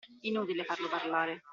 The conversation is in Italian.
Inutile farlo parlare.